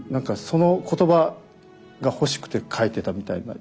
その言葉が欲しくて書いてたみたいな。